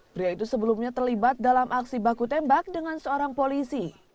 pria itu sebelumnya terlibat dalam aksi baku tembak dengan seorang polisi